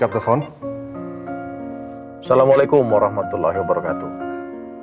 assalamualaikum warahmatullahi wabarakatuh